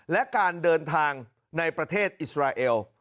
และการเดินทางในประเทศอิสราเอล